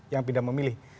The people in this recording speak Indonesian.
yang pindah memilih